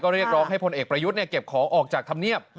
เรียกร้องให้พลเอกประยุทธ์เก็บของออกจากธรรมเนียบ